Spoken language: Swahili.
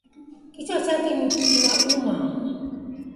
Kichwa chake kinauma.